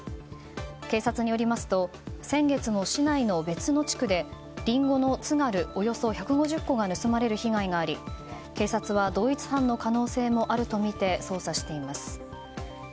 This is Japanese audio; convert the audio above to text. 警察によりますと先月も市内の別の地区でリンゴのつがるおよそ１５０個が盗まれる被害があり、警察は同一犯の可能性もあるとみて捜査しています。